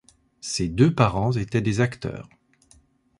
Ses deux parents étaient des acteurs.